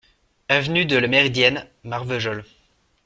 Avenue de la Méridienne, Marvejols